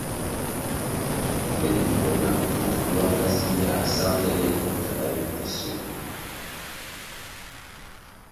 Ywe limbo nah bvubvu lwanga zih yā sangʼle le bikanda bi kwasio.